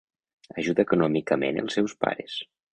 Ajuda econòmicament els seus pares.